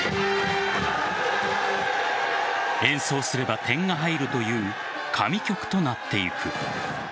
演奏すれば点が入るという神曲となっていく。